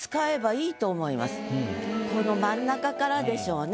この真ん中からでしょうね。